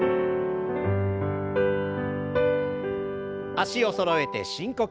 脚をそろえて深呼吸。